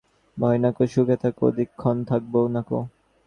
ভয় নাইকো সুখে থাকো, অধিক ক্ষণ থাকব নাকো।